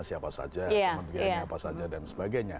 siapa saja kementeriannya apa saja dan sebagainya